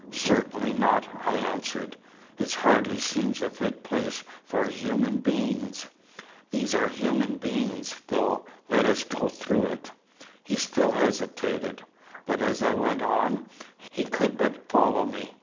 "Certainly not," I answered; "it hardly seems a fit place for human beings. These are human beings, though. Let us go through it." He still hesitated; but as I went on, he could but follow me.